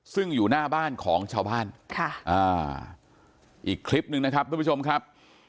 ซึ่งอยู่หน้าบ้านของชาวบ้านค่ะอ่าอีกคลิปหนึ่งนะครับทุกผู้ชมครับ